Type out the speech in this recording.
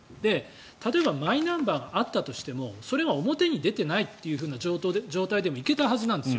例えばマイナンバーがあったとしてもそれが表に出ていないという状態でも行けたはずなんです。